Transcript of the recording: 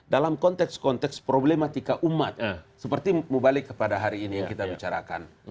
dalam konteks konteks problematika umat seperti mubalik kepada hari ini yang kita bicarakan